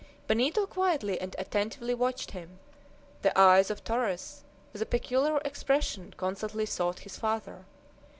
Benito quietly and attentively watched him. The eyes of Torres, with a peculiar expression, constantly sought his father.